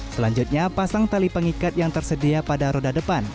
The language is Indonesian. selanjutnya pasang tali pengikat yang tersedia pada roda depan